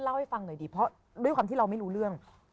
เล่าให้ฟังหน่อยดีเพราะด้วยความที่เราไม่รู้เรื่อง